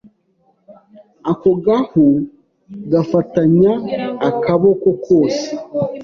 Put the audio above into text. ako gahu gafatanya akaboko kose